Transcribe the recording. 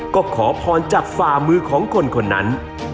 ก็ขอพรจากฝ่ามือของคนคนนั้น